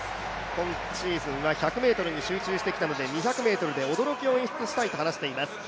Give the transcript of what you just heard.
今シーズンは１００ｍに集中してきたので２００ｍで驚きを演出したいと話しています。